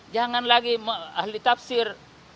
jangan lagi ahli tafsir